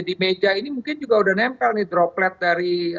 di meja ini mungkin juga udah nempel nih droplet dari